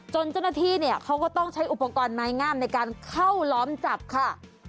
เจ้าหน้าที่เนี่ยเขาก็ต้องใช้อุปกรณ์ไม้งามในการเข้าล้อมจับค่ะ